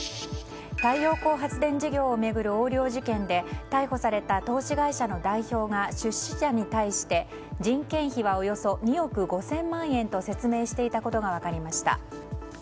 太陽光発電事業を巡る横領事件で逮捕された投資会社の代表が出資者に対して人件費はおよそ２億５０００万円と説明していたことが分かりました。